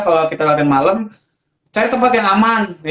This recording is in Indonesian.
kalau kita latihan malam cari tempat yang aman